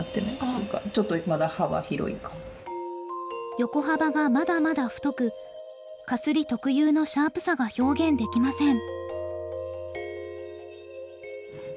横幅がまだまだ太くかすり特有のシャープさが表現できません。